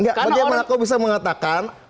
bagaimana aku bisa mengatakan